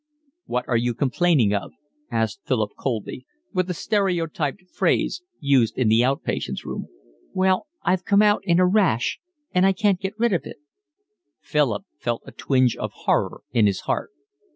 "What are you complaining of?" asked Philip coldly, with the stereotyped phrase used in the out patients' room. "Well, I've come out in a rash, and I can't get rid of it." Philip felt a twinge of horror in his heart.